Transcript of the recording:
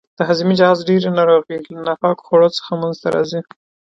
د هاضمې د جهاز ډېرې ناروغۍ له ناپاکو خوړو څخه منځته راځي.